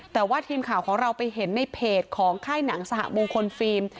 แต่ว่าทีมข่าวของเราไปเห็นในเพจของค่ายหนังสหมงคลฟิล์ม